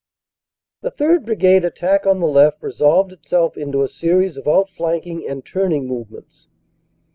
"The 3rd. Brigade attack on the left resolved itself into a series of out flanking and turning movements.